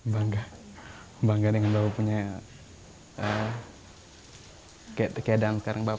bangga bangga dengan bapak punya keadaan sekarang bapak